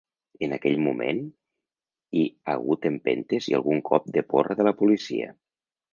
En aquell moment hi hagut empentes i algun cop de porra de la policia.